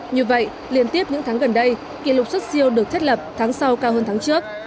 như vậy liên tiếp những tháng gần đây kỷ lục xuất siêu được thiết lập tháng sau cao hơn tháng trước